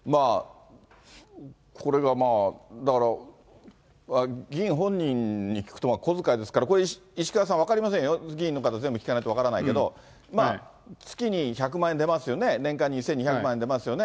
これはだから、議員本人に聞くと、小遣いですから、石川さん、分かりませんよ、議員の方全部聞かないと分からないけど、月に１００万円出ますよね、年間１２００万円出ますよね。